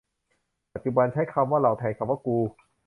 ปัจจุบันใช้คำว่า เรา แทนคำว่า กู